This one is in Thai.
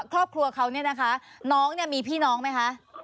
ครอบครัวเขาเนี่ยนะคะน้องเนี่ยมีพี่น้องไหมคะ